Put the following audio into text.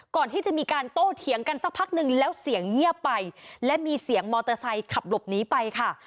ก่อนที่จะมีการโต้เถียงกันสักพักหนึ่งแล้วเสียงเงียบไปและมีเสียงมอเตอร์ไซค์ขับหลบหนีไปค่ะ